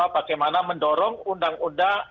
bagaimana mendorong undang undang